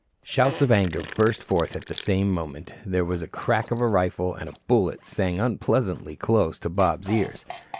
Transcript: Shouts of anger burst forth at the same moment, there was the crack of a rifle, and a bullet sang unpleasantly close to Bob's ears.